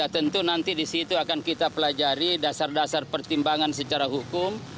tentu nanti disitu akan kita pelajari dasar dasar pertimbangan secara hukum